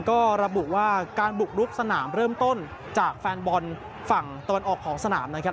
ก็ระบุว่าการบุกลุกสนามเริ่มต้นจากแฟนบอลฝั่งตะวันออกของสนามนะครับ